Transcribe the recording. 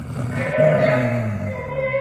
অনেকেই একে শিয়া জঙ্গি হিসেবে ধারণা করেন।